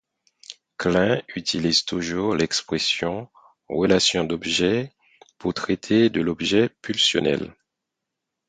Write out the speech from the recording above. Klein utilise toujours l'expression relation d'objet pour traiter de l'objet pulsionnel.